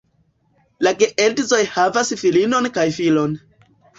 La geedzoj havas filinon kaj filon.